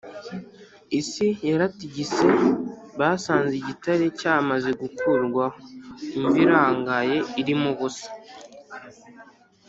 isi yaratigise basanze igitare cyamaze gukurwaho, imva irangaye irimo ubusa